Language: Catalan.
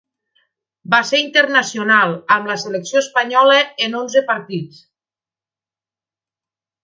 Va ser internacional amb la selecció espanyola en onze partits.